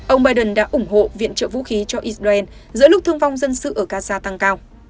ông biden đã ủng hộ viện trợ vũ khí cho israel giữa lúc thương vong dân sự ở gaza tăng cao